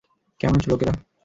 কেমন আছো, লোকেরা?